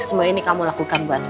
semua ini kamu lakukan buat